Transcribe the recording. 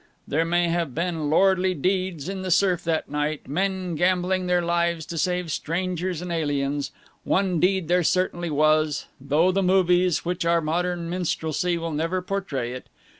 There may have been lordly deeds in the surf that night men gambling their lives to save strangers and aliens. One deed there certainly was though the movies, which are our modern minstrelsy, will never portray it.